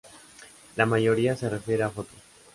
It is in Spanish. La mayoría se refiere a fotos.